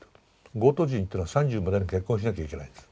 ゴート人っていうのは３０までに結婚しなきゃいけないんです。